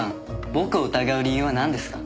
僕を疑う理由はなんですか？